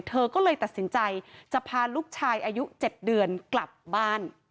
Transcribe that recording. เธอก็เลยตัดสินใจจะพาลูกชายอายุ๗เดือนกลับบ้าน